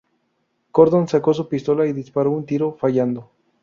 Gordon sacó su pistola y disparó un tiro; fallando.